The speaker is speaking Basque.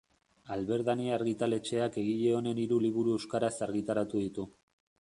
Alberdania argitaletxeak egile honen hiru liburu euskaraz argitaratu ditu.